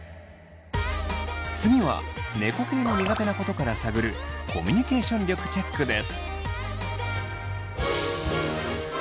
次は猫系の苦手なことから探るコミュニケーション力チェックです！